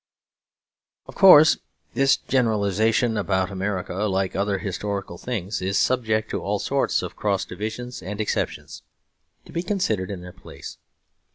Of course this generalisation about America, like other historical things, is subject to all sorts of cross divisions and exceptions, to be considered in their place.